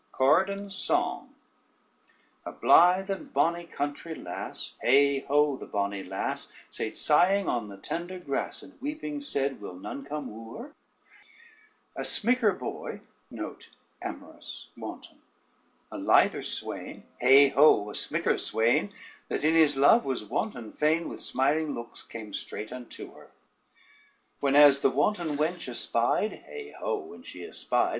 ] Corydon's Song A blithe and bonny country lass, heigh ho, the bonny lass! Sate sighing on the tender grass and weeping said, will none come woo her. A smicker boy, a lither swain, heigh ho, a smicker swain! That in his love was wanton fain, with smiling looks straight came unto her. Whenas the wanton wench espied, heigh ho, when she espied!